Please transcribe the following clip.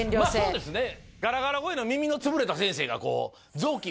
そうですね